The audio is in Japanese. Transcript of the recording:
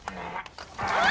あ！